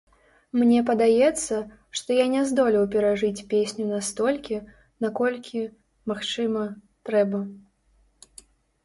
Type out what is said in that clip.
Мне падаецца, што я не здолеў перажыць песню настолькі, наколькі, магчыма, трэба.